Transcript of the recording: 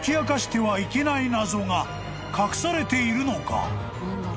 ［隠されているのか？］